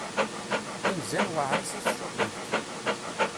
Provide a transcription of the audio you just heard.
Inzan weɛrit i tsuqilt.